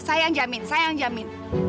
saya yang jamin saya yang jamin